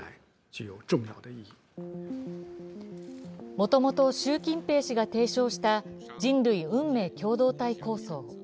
もともと習近平氏が提唱した人類運命共同体構想。